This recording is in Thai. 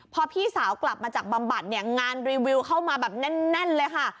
พอพี่สาวกลับมาจากบำบัดเนี่ยงานรีวิวเข้ามาแบบแน่นเลยค่ะ